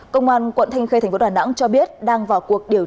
công an quận thanh khê tp đà nẵng cho biết đang vào cuộc điều tra